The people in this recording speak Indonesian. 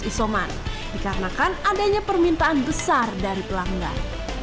isoman dikarenakan adanya permintaan besar dari pelanggan